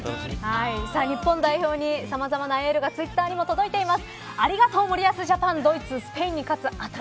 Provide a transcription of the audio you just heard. さあ、日本代表にさまざまなエールがツイッターにも届いています。